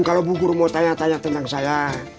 kalau bu guru mau tanya tanya tentang saya